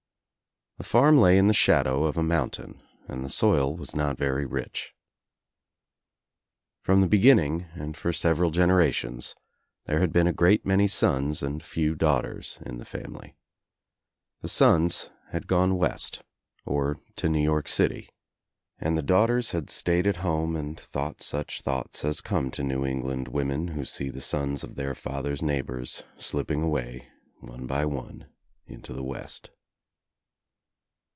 The farm lay in the shadow of a moim tain and the soil was not very rich. From the begin ning and for several generations there had been a great many sons and few daughters in the family. The sons had gone west or to New York City and the daughters had stayed at home and thought such i thoughts as come to New England women who see the , sons of their fathers' neighbors slipping away, one by one, into the West.